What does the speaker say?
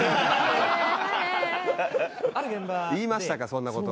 言いましたかそんな事を。